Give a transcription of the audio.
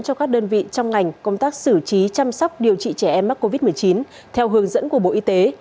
cho các đơn vị trong ngành công tác xử trí chăm sóc điều trị trẻ em mắc covid một mươi chín theo hướng dẫn của bộ y tế